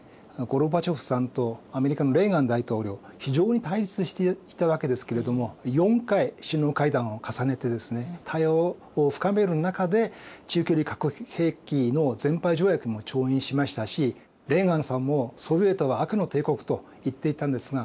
ゴルバチョフさんとアメリカのレーガン大統領非常に対立していたわけですけれども４回首脳会談を重ねてですね対話を深める中で中距離核兵器の全廃条約も調印しましたしレーガンさんも「ソビエトは悪の帝国」と言っていたんですが